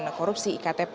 terima kasih iktp